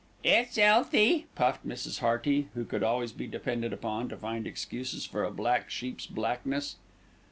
"It's 'ealthy," puffed Mrs. Hearty, who could always be depended upon to find excuses for a black sheep's blackness.